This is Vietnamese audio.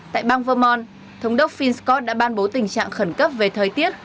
tại bang vermont thống đốc finn scott đã ban bố tình trạng khẩn cấp về thời tiết